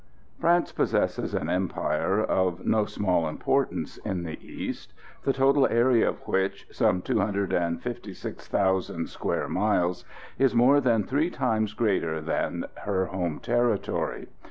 France possesses an empire of no small importance in the East, the total area of which, some 256,000 square miles, is more than three times greater than her home territory.